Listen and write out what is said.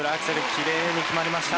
きれいに決まりました。